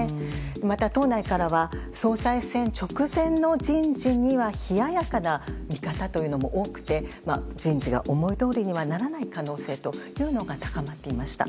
また党内からは、総裁選直前の人事には冷ややかな見方というのも多くて、人事が思いどおりにはならない可能性というのが高まっていました。